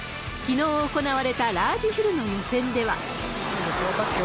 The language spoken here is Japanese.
きのう行われたラージヒルの予選では。